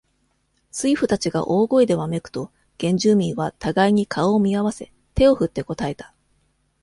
水夫たちが大声でわめくと、原住民は、互いに顔を見合わせ、手を振って答えた。